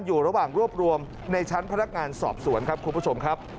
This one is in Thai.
อยู่ระหว่างรวบรวมในชั้นพนักงานสอบสวนครับคุณผู้ชมครับ